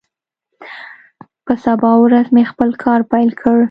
په سبا ورځ مې خپل کار پیل کړ.